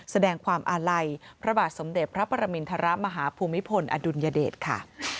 แสดงความอาลัยพระบาทสมเด็จพระปรมินทรมาฮภูมิพลอดุลยเดชค่ะ